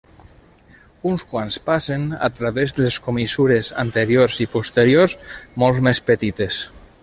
Uns quants passen a través de les comissures anteriors i posteriors, molt més petites.